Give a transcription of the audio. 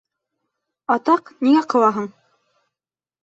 Атаҡ, ниңә ҡыуаһың!